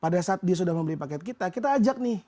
pada saat dia sudah membeli paket kita kita ajak nih